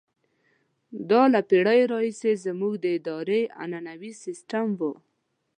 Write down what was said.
دا له پېړیو راهیسې زموږ د ادارې عنعنوي سیستم وو.